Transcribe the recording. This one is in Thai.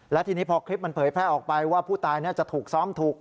และทีนี้พอคลิปมันเผยแพร่ออกไปว่าผู้ตายน่าจะถูกซ้อมถูก